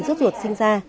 rất ruột sinh ra